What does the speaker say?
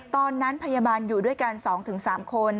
ตอนนั้นพยาบาลอยู่ด้วยกัน๒๓คน